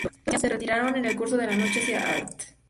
Las tropas aliadas se retiraron en el curso de la noche hacia Ath.